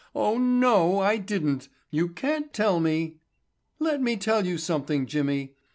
Oh, no, I didn't. You can't tell me. "Let me tell you something, Jimmy.